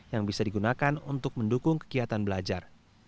yang bisa digunakan untuk mendukung kegiatan belajar